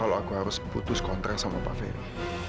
kalau aku harus putus kontre sama pak ferry